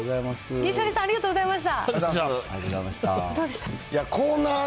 銀シャリさん、ありがとうございました。